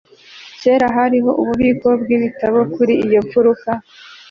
Kera hariho ububiko bwibitabo kuri iyo mfuruka